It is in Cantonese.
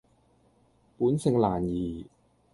本性難移